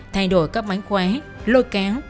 thay đổi các máy khóe lôi kéo